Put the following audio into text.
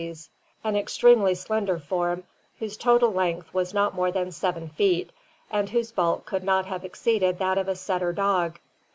155), an extremely slender form whose total length was not more than 7 feet and whose bulk could not have exceeded that of a setter dog.